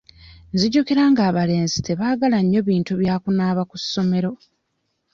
Nzijukira nga abalenzi tebaagala nnyo bintu bya kunaaba ku ssomero.